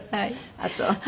あっそう。